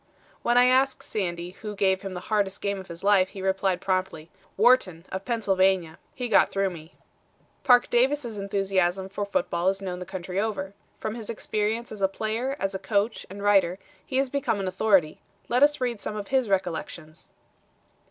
When I asked Sandy who gave him the hardest game of his life, he replied promptly: "Wharton, of Pennsylvania. He got through me." Parke Davis' enthusiasm for football is known the country over. From his experience as a player, as a coach and writer, he has become an authority. Let us read some of his recollections.